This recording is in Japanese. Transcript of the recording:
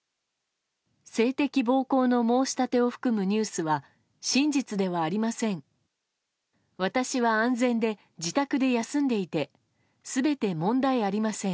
性的暴行の申し立てを含むニュースは真実ではありません。